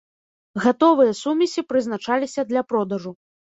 Гатовыя сумесі прызначаліся для продажу.